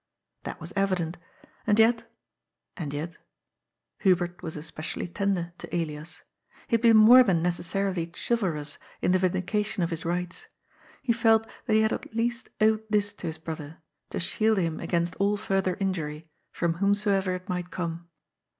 That was evident. And yet — and yet — Hubert was especially tender to Elias. He had been more than neces sarily chivalrous in the vindication of his rights. He felt that he had at least owed this to his brother, to shield him against all further injury, from whomsoever it might come.